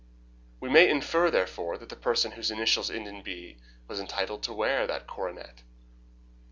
We may infer, therefore, that the person whose initials end in B was entitled to wear that coronet."